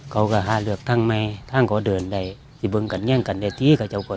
เขาก็หาเลือกทั้งไม่ทั้งเขาเดินได้ที่บึงกันเงี่ยงกันได้ตีก็จะออกไป